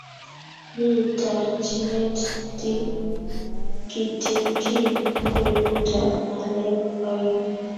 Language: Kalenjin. mi terchinet kitikin kwenutab ng'alek oeng